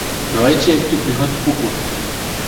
রয়েছে একটি বৃহৎ পুকুর।